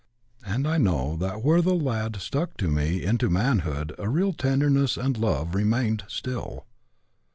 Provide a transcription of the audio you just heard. And I know that where the lad stuck to me into manhood a real tenderness and love remain still.